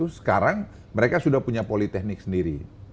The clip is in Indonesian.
sekarang mereka sudah punya politeknik sendiri